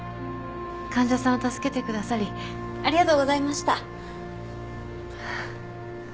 患者さんを助けてくださりありがとうございました。